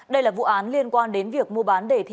đây là vụ án liên quan đến việc mua bán